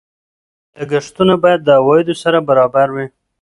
لګښتونه باید د عوایدو سره برابر وي.